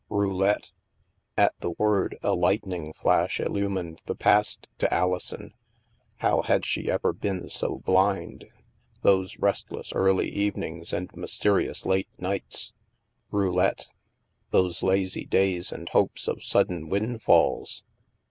" Roulette." At the word, a lightning flash illumined the past to Alison. How had she ever been so blind ? Those restless early evenings and mysterious late nights ! Roulette. Those lazy days and hopes of sudden windfalls!